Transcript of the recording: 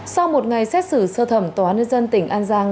sau một ngày xét xử sơ thẩm tòa nước dân tỉnh an giang